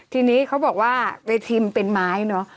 ทีนี้เขาบอกว่าเวทีมันเป็นไม้เนอะ